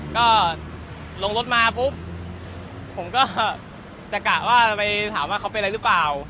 ก็ลงรถมาปุ๊บผมก็จะกะว่าจะไปถามว่าเขาเป็นอะไรหรือเปล่า